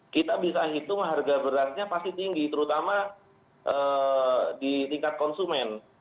kita bisa hitung harga berasnya pasti tinggi terutama di tingkat konsumen